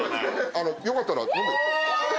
あのよかったらどうぞ。